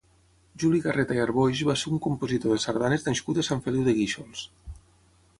Juli Garreta i Arboix va ser un compositor de sardanes nascut a Sant Feliu de Guíxols.